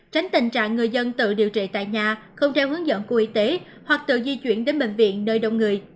tránh tình trạng người dân tự điều trị tại nhà không theo hướng dẫn của y tế hoặc tự di chuyển đến bệnh viện nơi đông người